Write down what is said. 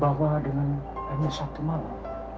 bahwa dengan hanya satu malam